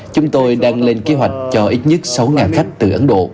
chúng tôi đang lên kế hoạch cho ít nhất sáu khách từ ấn độ